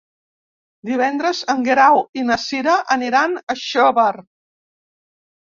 Divendres en Guerau i na Cira aniran a Xóvar.